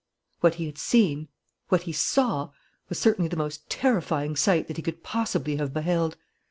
What he had seen, what he saw, was certainly the most terrifying sight that he could possibly have beheld.